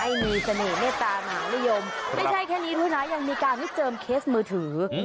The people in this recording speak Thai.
ให้มีเสน่ห์แน่ตาหมาริยมไม่ใช่แค่นี้ทุกหน่ายังมีการให้เจิมเคสมือถือ